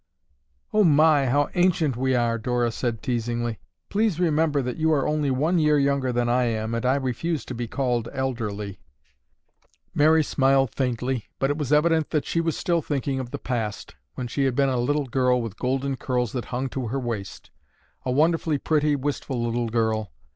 "Oh my, how ancient we are!" Dora said teasingly. "Please remember that you are only one year younger than I am and I refuse to be called elderly." Mary smiled faintly but it was evident that she was still thinking of the past, when she had been a little girl with golden curls that hung to her waist; a wonderfully pretty, wistful little girl.